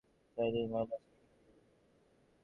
সেটিও ইংল্যান্ড অস্ট্রেলিয়াকে হারিয়ে।